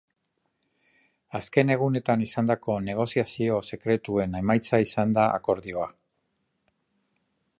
Azken egunetan izandako negoziazio sekretuen emaitza izan da akordioa.